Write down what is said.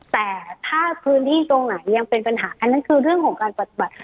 แต่ถ้าพื้นที่ตรงไหนยังเป็นปัญหาอันนั้นคือเรื่องของการปฏิบัติ